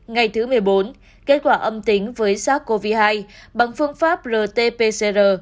ngày thứ một mươi bốn kết quả âm tính với sars cov hai bằng phương pháp rt pcr